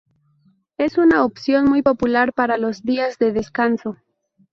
Es una opción muy popular para los días de descanso.